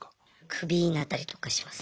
クビになったりとかします。